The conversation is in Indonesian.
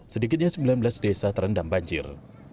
sedikitnya sembilan belas desa terendam banjir